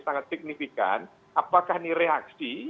sangat signifikan apakah ini reaksi